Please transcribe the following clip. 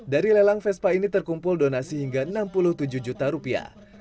dari lelang vespa ini terkumpul donasi hingga enam puluh tujuh juta rupiah